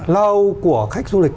lâu của khách du lịch